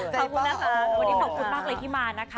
อนี้ขอบคุณมากที่มานะคะ